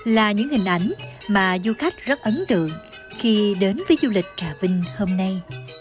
là những hình ảnh mà du khách rất ấn tượng khi đến với du lịch trà vinh hôm nay